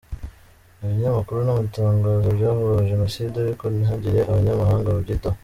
Ibinyamakuru n’amatangazo byavugaga Jenoside ariko ntihagire abanyamahanga babyitaho.